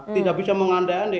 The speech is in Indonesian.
tidak bisa mengandai andai